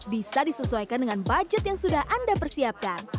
bisa disesuaikan dengan budget yang sudah anda persiapkan